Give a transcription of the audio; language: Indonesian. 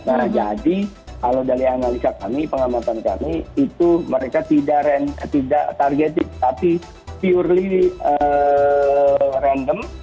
nah jadi kalau dari analisa kami pengamatan kami itu mereka tidak targeted tapi purely random